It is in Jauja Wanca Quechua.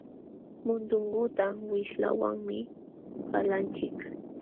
Mundunguta wishlawanmi qalanchik.